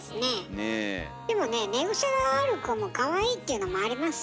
でもね寝癖がある子もかわいいっていうのもありますよ。